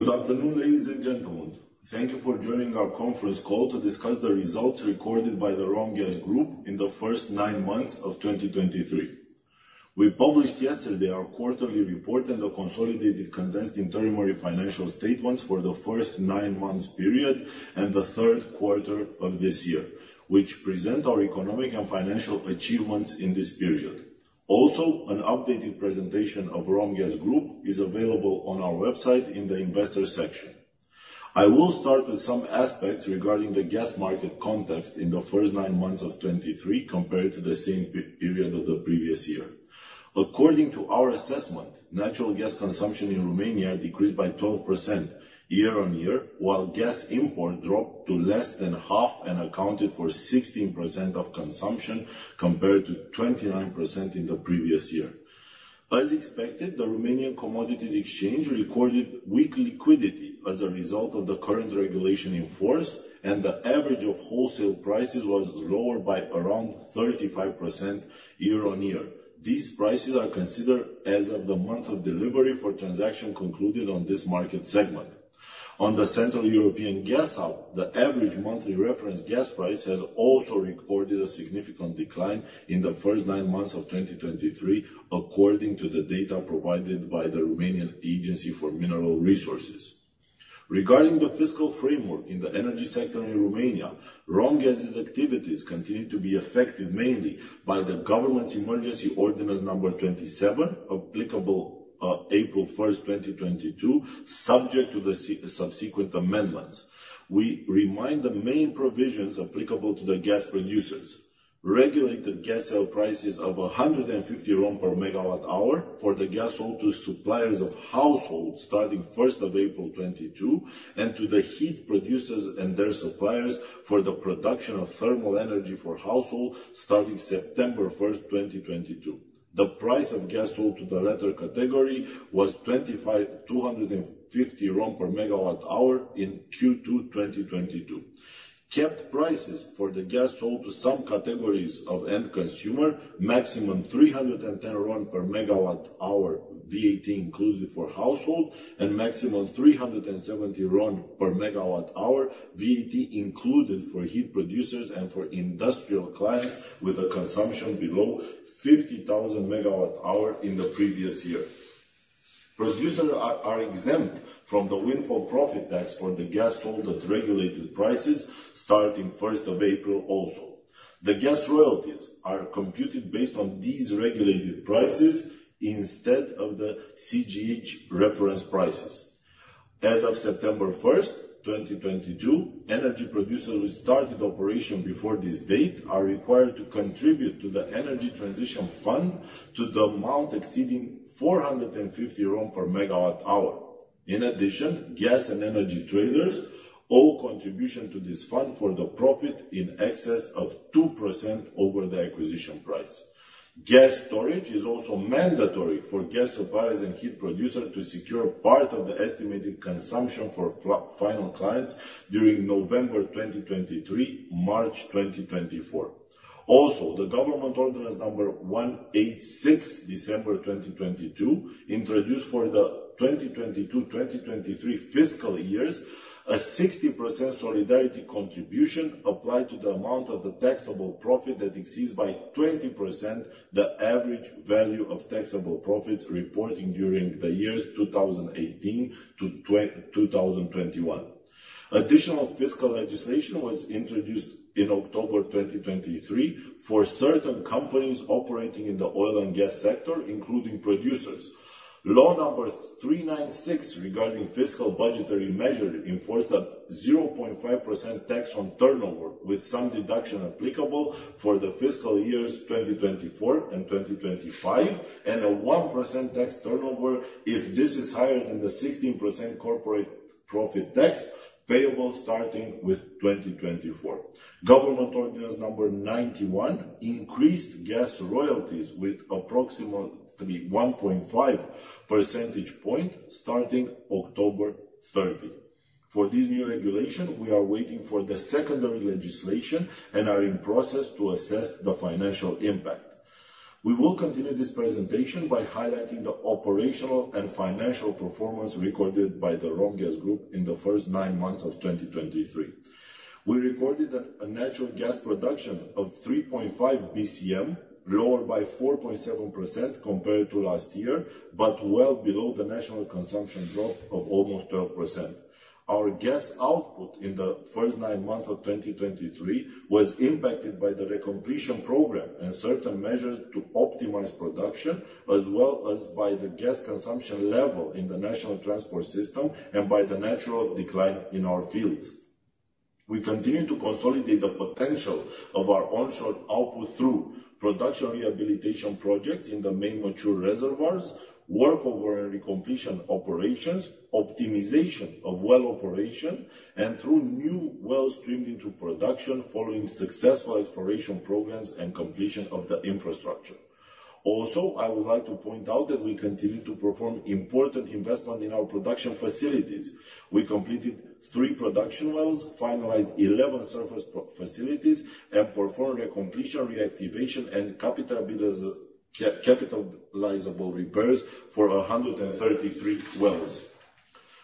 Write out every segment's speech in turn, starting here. Good afternoon, ladies and gentlemen. Thank you for joining our conference call to discuss the results recorded by the Romgaz Group in the first nine months of 2023. We published yesterday our quarterly report and the consolidated, condensed interim financial statements for the first nine months period and the third quarter of this year, which present our economic and financial achievements in this period. Also, an updated presentation of Romgaz Group is available on our website in the investor section. I will start with some aspects regarding the gas market context in the first nine months of 2023, compared to the same period of the previous year. According to our assessment, natural gas consumption in Romania decreased by 12% year-on-year, while gas import dropped to less than half and accounted for 16% of consumption, compared to 29% in the previous year. As expected, the Romanian Commodities Exchange recorded weak liquidity as a result of the current regulation in force, and the average of wholesale prices was lower by around 35% year-on-year. These prices are considered as of the month of delivery for transaction concluded on this market segment. On the Central European Gas Hub, the average monthly reference gas price has also recorded a significant decline in the first nine months of 2023, according to the data provided by the Romanian Agency for Mineral Resources. Regarding the fiscal framework in the energy sector in Romania, Romgaz's activities continue to be affected mainly by the government's Emergency Ordinance Number 27, applicable April 1, 2022, subject to the subsequent amendments. We remind the main provisions applicable to the gas producers. Regulated gas sale prices of RON 150 per MWh for the gas sold to suppliers of households starting first of April 2022, and to the heat producers and their suppliers for the production of thermal energy for household starting September first, 2022. The price of gas sold to the latter category was 250 RON per MWh in Q2 2022. Capped prices for the gas sold to some categories of end consumer, maximum RON 310 per MWh, VAT included for household, and maximum RON 370 per MWh, VAT included for heat producers and for industrial clients with a consumption below 50,000 MWh in the previous year. Producers are exempt from the windfall profit tax on the gas sold at regulated prices starting first of April also. The gas royalties are computed based on these regulated prices instead of the CEGH reference prices. As of September 1, 2022, energy producers who started operation before this date are required to contribute to the Energy Transition Fund to the amount exceeding 450 RON per MWh. In addition, gas and energy traders owe contribution to this fund for the profit in excess of 2% over the acquisition price. Gas storage is also mandatory for gas suppliers and heat producers to secure part of the estimated consumption for final clients during November 2023, March 2024. Also, the Government Ordinance Number 186, December 2022, introduced for the 2022, 2023 fiscal years, a 60% solidarity contribution applied to the amount of the taxable profit that exceeds by 20% the average value of taxable profits reported during the years 2018 to 2021. Additional fiscal legislation was introduced in October 2023 for certain companies operating in the oil and gas sector, including producers. Law Number 396 regarding fiscal budgetary measure enforced a 0.5% tax on turnover, with some deduction applicable for the fiscal years 2024 and 2025, and a 1% tax turnover if this is higher than the 16% corporate profit tax payable starting with 2024. Government Ordinance Number 91 increased gas royalties with approximately 1.5 percentage point starting October 30. For this new regulation, we are waiting for the secondary legislation and are in process to assess the financial impact. We will continue this presentation by highlighting the operational and financial performance recorded by the Romgaz Group in the first nine months of 2023. We recorded a natural gas production of 3.5 BCM, lower by 4.7% compared to last year, but well below the national consumption drop of almost 12%. Our gas output in the first nine months of 2023 was impacted by the recompletion program and certain measures to optimize production, as well as by the gas consumption level in the national transport system and by the natural decline in our fields. We continue to consolidate the potential of our onshore output through production rehabilitation projects in the main mature reservoirs, workover and recompletion operations, optimization of well operation, and through new wells streamed into production following successful exploration programs and completion of the infrastructure. Also, I would like to point out that we continue to perform important investment in our production facilities. We completed 3 production wells, finalized 11 surface production facilities, and performed recompletion, reactivation, and capitalizable repairs for 133 wells.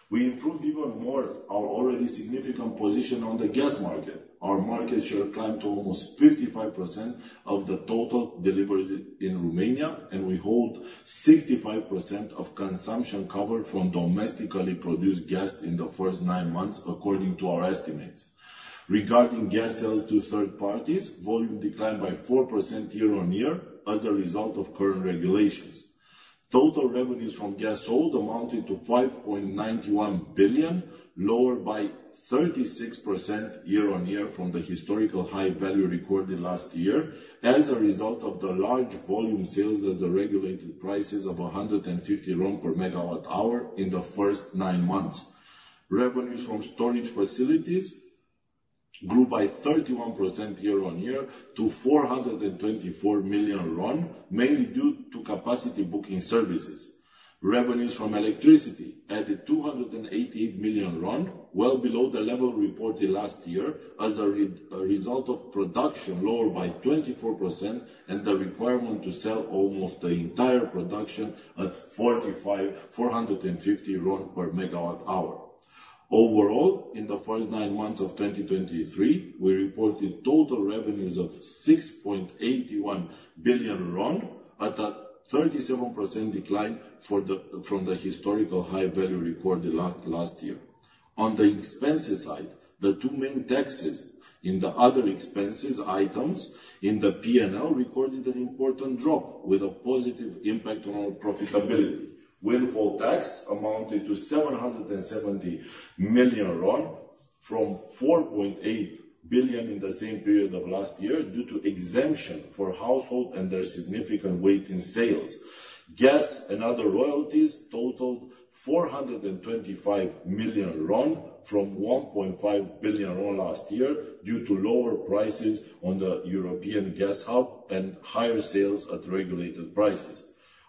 We improved even more our already significant position on the gas market. Our market share climbed to almost 55% of the total deliveries in Romania, and we hold 65% of consumption covered from domestically produced gas in the first nine months, according to our estimates. Regarding gas sales to third parties, volume declined by 4% year-over-year as a result of current regulations. Total revenues from gas sold amounted to RON 5.91 billion, lower by 36% year-over-year from the historical high value recorded last year, as a result of the large volume sales as the regulated prices of 150 RON per megawatt hour in the first nine months. Revenues from storage facilities grew by 31% year-over-year to RON 424 million, mainly due to capacity booking services. Revenues from electricity added RON 288 million, well below the level reported last year as a result of production lower by 24% and the requirement to sell almost the entire production at 450 RON per megawatt hour. Overall, in the first 9 months of 2023, we reported total revenues of RON 6.81 billion, at a 37% decline from the historical high value recorded last year. On the expenses side, the two main taxes in the other expenses items in the P&L recorded an important drop with a positive impact on our profitability. Windfall tax amounted to RON 770 million, from RON 4.8 billion in the same period of last year, due to exemption for household and their significant weight in sales. Gas and other royalties totaled RON 425 million, from RON 1.5 billion last year, due to lower prices on the European gas hub and higher sales at regulated prices.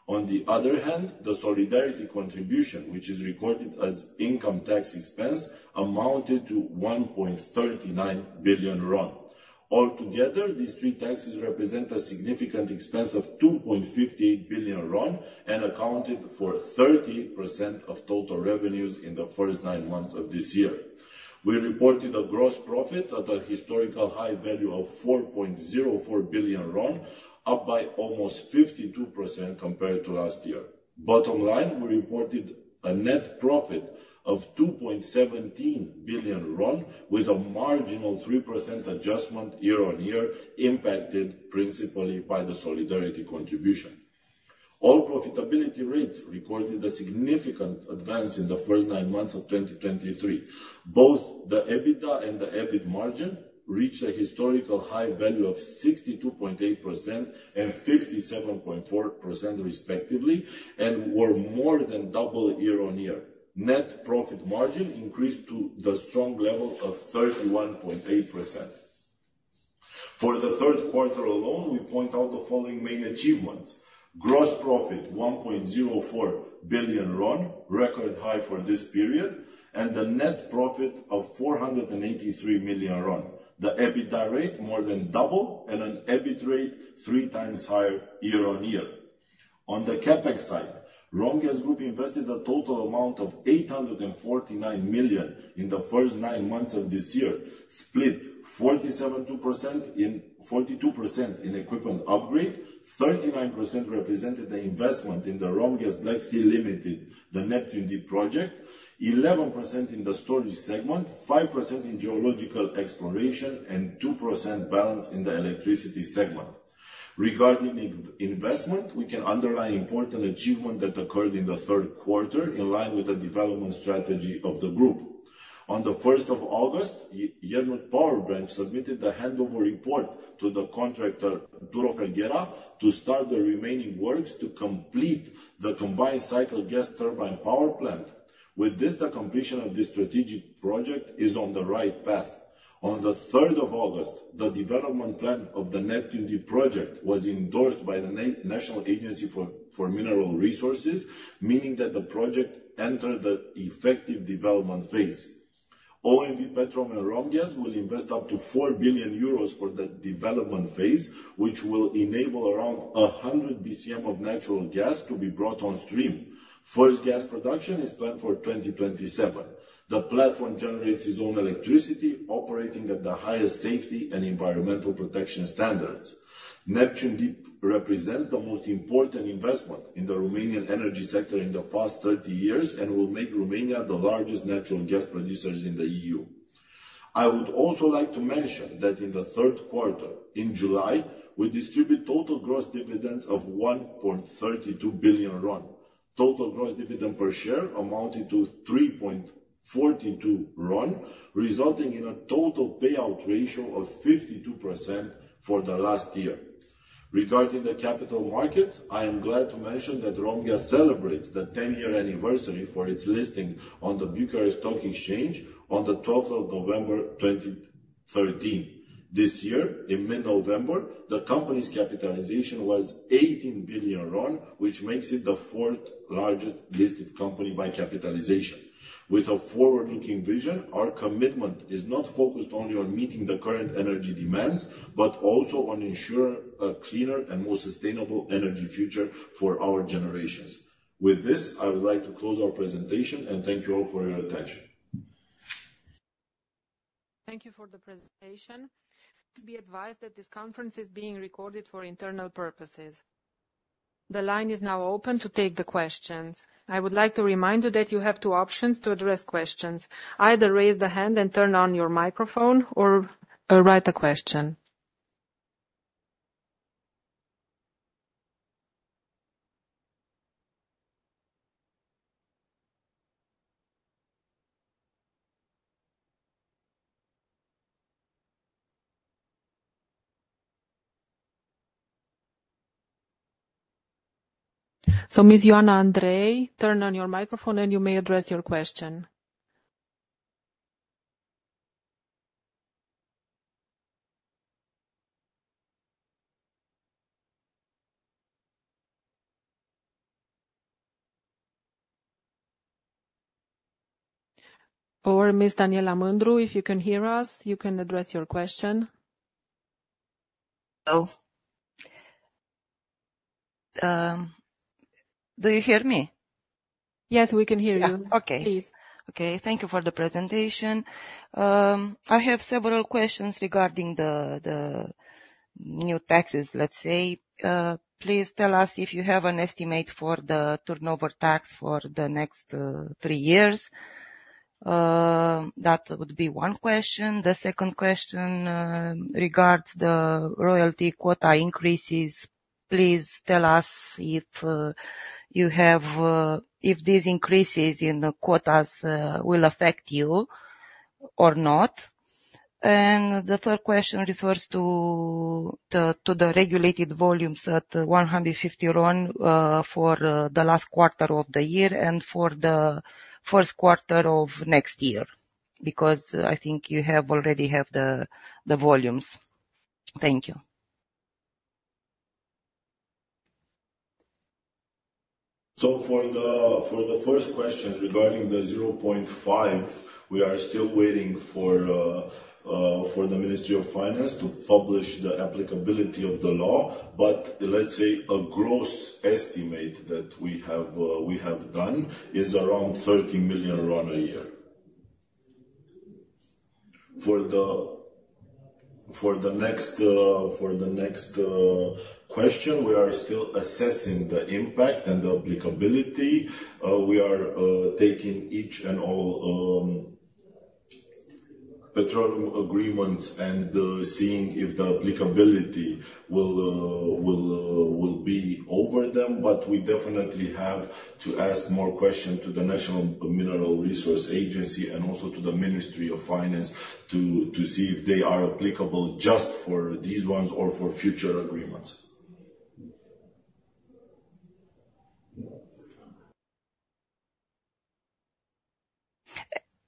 On the other hand, the solidarity contribution, which is recorded as income tax expense, amounted to RON 1.39 billion. Altogether, these three taxes represent a significant expense of RON 2.58 billion and accounted for 30% of total revenues in the first nine months of this year. We reported a gross profit at a historical high value of RON 4.04 billion, up by almost 52% compared to last year. Bottom line, we reported a net profit of RON 2.17 billion with a marginal 3% adjustment year-on-year, impacted principally by the solidarity contribution. All profitability rates recorded a significant advance in the first nine months of 2023. Both the EBITDA and the EBIT margin reached a historical high value of 62.8% and 57.4% respectively, and were more than double year-on-year. Net profit margin increased to the strong level of 31.8%. For the third quarter alone, we point out the following main achievements: gross profit, RON 1.04 billion, record high for this period, and a net profit of RON 483 million. The EBITDA rate, more than double, and an EBIT rate three times higher year-on-year. On the CapEx side, Romgaz Group invested a total amount of RON 849 million in the first nine months of this year. Split 47.2% in 42% in equipment upgrade, 39% represented the investment in the Romgaz Black Sea Limited, the Neptun Deep project, 11% in the storage segment, 5% in geological exploration, and 2% balance in the electricity segment. Regarding investment, we can underline important achievement that occurred in the third quarter, in line with the development strategy of the group. On the first of August, Iernut Power Plant submitted a handover report to the contractor, Duro Felguera, to start the remaining works to complete the combined cycle gas turbine power plant. With this, the completion of this strategic project is on the right path. On the third of August, the development plan of the Neptun Deep project was endorsed by the National Agency for Mineral Resources, meaning that the project entered the effective development phase. OMV Petrom and Romgaz will invest up to 4 billion euros for the development phase, which will enable around 100 BCM of natural gas to be brought on stream. First gas production is planned for 2027. The platform generates its own electricity, operating at the highest safety and environmental protection standards. Neptun Deep represents the most important investment in the Romanian energy sector in the past 30 years, and will make Romania the largest natural gas producers in the EU. I would also like to mention that in the third quarter, in July, we distribute total gross dividends of RON 1.32 billion. Total gross dividend per share amounted to RON 3.42, resulting in a total payout ratio of 52% for the last year. Regarding the capital markets, I am glad to mention that Romgaz celebrates the 10-year anniversary for its listing on the Bucharest Stock Exchange on the twelfth of November, twenty thirteen. This year, in mid-November, the company's capitalization was RON 18 billion, which makes it the fourth largest listed company by capitalization. With a forward-looking vision, our commitment is not focused only on meeting the current energy demands, but also on ensuring a cleaner and more sustainable energy future for our generations. With this, I would like to close our presentation, and thank you all for your attention. Thank you for the presentation. Please be advised that this conference is being recorded for internal purposes. The line is now open to take the questions. I would like to remind you that you have two options to address questions: either raise the hand and turn on your microphone or write a question. So Ms. Ioana Andrei, turn on your microphone, and you may address your question. Or Ms. Daniela Mândru, if you can hear us, you can address your question. Oh, do you hear me? Yes, we can hear you. Yeah, okay. Please. Okay. Thank you for the presentation. I have several questions regarding the new taxes, let's say. Please tell us if you have an estimate for the turnover tax for the next three years. That would be one question. The second question regards the royalty quota increases. Please tell us if these increases in the quotas will affect you or not. And the third question refers to the regulated volumes at RON 150 for the last quarter of the year and for the first quarter of next year, because I think you have already have the volumes. Thank you. So for the first question regarding the 0.5, we are still waiting for the Ministry of Finance to publish the applicability of the law, but let's say a gross estimate that we have done is around RON 30 million a year. For the next question, we are still assessing the impact and the applicability. We are taking each and all petroleum agreements and seeing if the applicability will be over them. But we definitely have to ask more questions to the National Mineral Resource Agency and also to the Ministry of Finance to see if they are applicable just for these ones or for future agreements.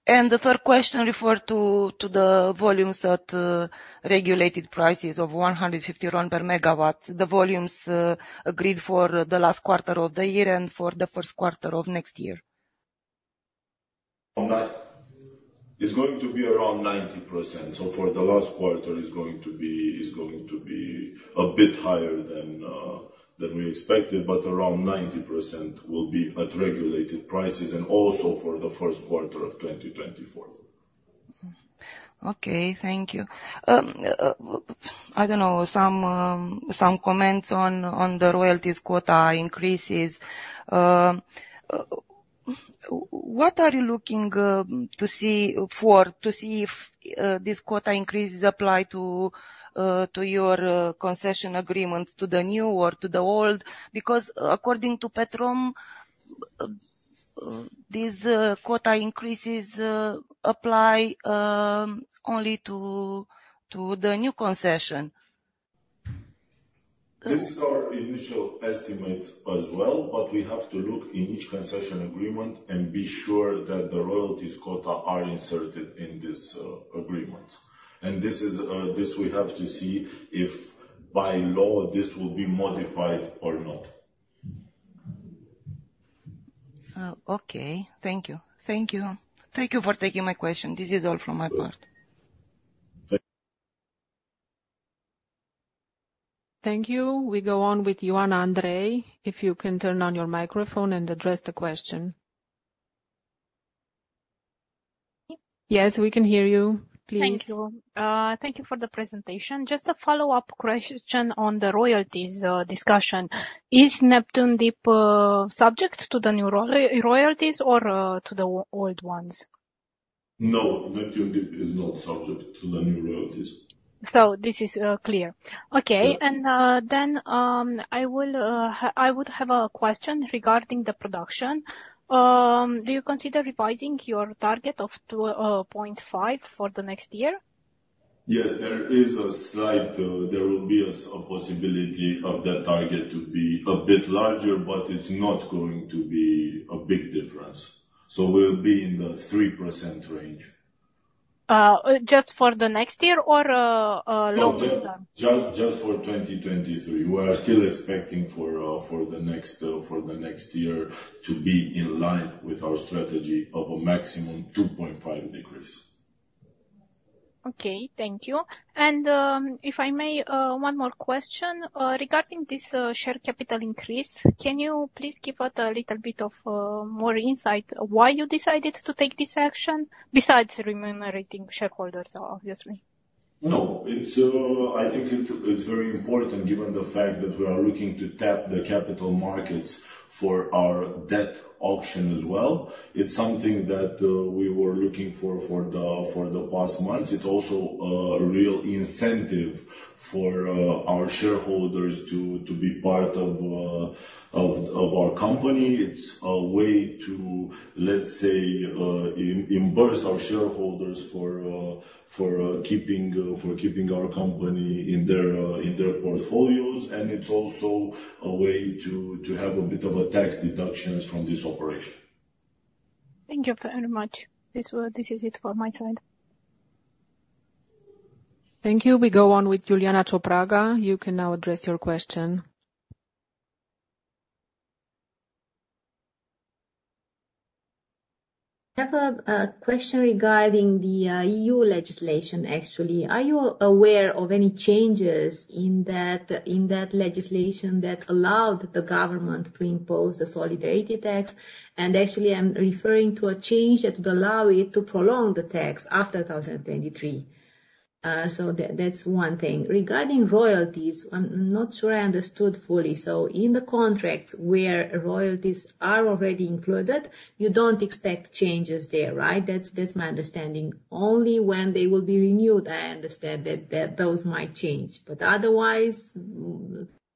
The third question refer to the volumes at regulated prices of 150 RON per megawatt, the volumes agreed for the last quarter of the year and for the first quarter of next year. On that, it's going to be around 90%. So for the last quarter, it's going to be a bit higher than we expected, but around 90% will be at regulated prices and also for the first quarter of 2024. Okay, thank you. I don't know, some comments on the royalties quota increases. What are you looking to see if this quota increases apply to your concession agreements, to the new or to the old? Because according to Petrom, these quota increases apply only to the new concession. This is our initial estimate as well, but we have to look in each concession agreement and be sure that the royalties quota are inserted in this agreement. And this is, this we have to see if by law, this will be modified or not. Okay. Thank you. Thank you. Thank you for taking my question. This is all from my part. Good. Thank- Thank you. We go on with Ioana Andrei. If you can turn on your microphone and address the question. Yes, we can hear you. Please. Thank you. Thank you for the presentation. Just a follow-up question on the royalties discussion. Is Neptun Deep subject to the new royalties or to the old ones? No, Neptun Deep is not subject to the new royalties. So this is clear. Yeah. Okay, and then, I will, I would have a question regarding the production. Do you consider revising your target of 2.5 for the next year? Yes, there is a slight. There will be a possibility of that target to be a bit larger, but it's not going to be a big difference. So we'll be in the 3% range. ... just for the next year or, long term? Just for 2023. We are still expecting for the next year to be in line with our strategy of a maximum 2.5% decrease. Okay, thank you. If I may, one more question. Regarding this share capital increase, can you please give out a little bit of more insight why you decided to take this action, besides remunerating shareholders, obviously? No, it's, I think it's very important, given the fact that we are looking to tap the capital markets for our debt auction as well. It's something that we were looking for the past months. It's also a real incentive for our shareholders to be part of our company. It's a way to, let's say, reimburse our shareholders for keeping our company in their portfolios. And it's also a way to have a bit of a tax deductions from this operation. Thank you very much. This is it for my side. Thank you. We go on with Iuliana Ciopraga. You can now address your question. I have a question regarding the EU legislation, actually. Are you aware of any changes in that legislation that allowed the government to impose the solidarity tax? And actually, I'm referring to a change that allow it to prolong the tax after 2023. So that's one thing. Regarding royalties, I'm not sure I understood fully. So in the contracts where royalties are already included, you don't expect changes there, right? That's my understanding. Only when they will be renewed, I understand that those might change. But otherwise,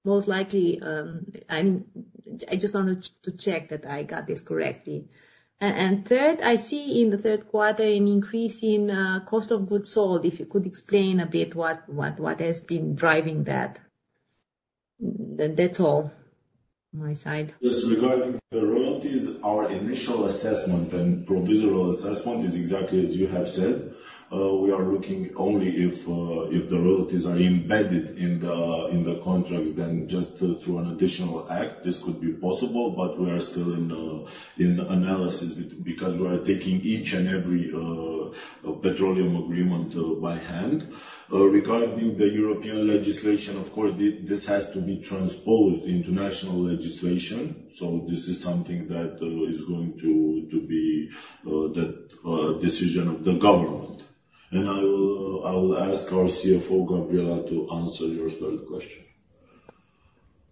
most likely, I just wanted to check that I got this correctly. And third, I see in the third quarter an increase in cost of goods sold. If you could explain a bit what has been driving that. That's all on my side. Yes, regarding the royalties, our initial assessment and provisional assessment is exactly as you have said. We are looking only if the royalties are embedded in the contracts, then just through an additional act, this could be possible, but we are still in analysis because we are taking each and every petroleum agreement by hand. Regarding the European legislation, of course, the... This has to be transposed into national legislation, so this is something that is going to be the decision of the government. I will ask our CFO, Gabriela, to answer your third question.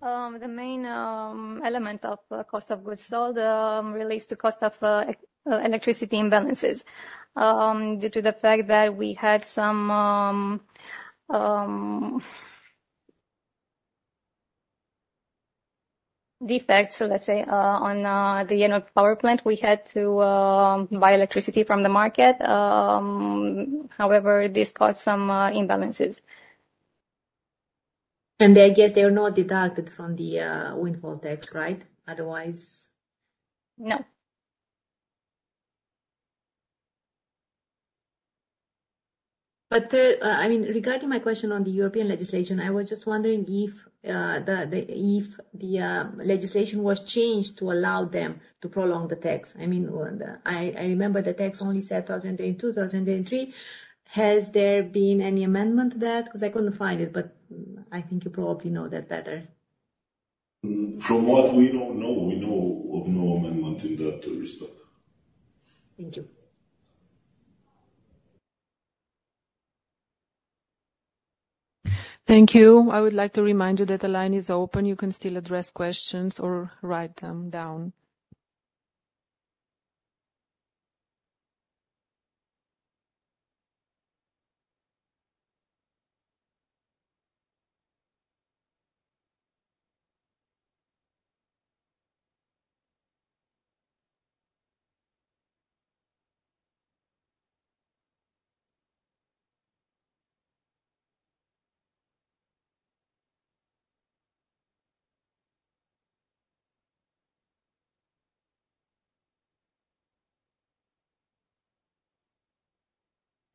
The main element of cost of goods sold relates to cost of electricity imbalances. Due to the fact that we had some defects, let's say, on the power plant, we had to buy electricity from the market. However, this caused some imbalances. I guess they are not deducted from the windfall tax, right? Otherwise- No. But, I mean, regarding my question on the European legislation, I was just wondering if the legislation was changed to allow them to prolong the tax. I mean, I remember the tax only said 2002, 2003. Has there been any amendment to that? Because I couldn't find it, but I think you probably know that better. From what we know, no. We know of no amendment in that respect. Thank you. Thank you. I would like to remind you that the line is open. You can still address questions or write them down.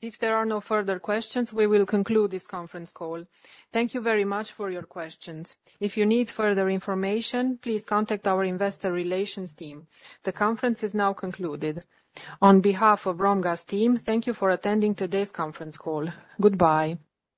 If there are no further questions, we will conclude this conference call. Thank you very much for your questions. If you need further information, please contact our investor relations team. The conference is now concluded. On behalf of Romgaz team, thank you for attending today's conference call. Goodbye.